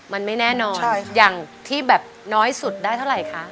มันไม่แน่นอนอย่างที่แบบน้อยสุดได้เท่าไหร่คะ